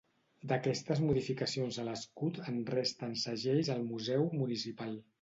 D'aquestes modificacions a l'escut en resten segells al Museu Municipal.